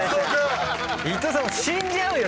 伊藤さん死んじゃうよ！